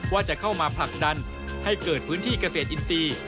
ว่าจะเข้ามาผลักดันให้เกิดพื้นที่เกษตรอินทรีย์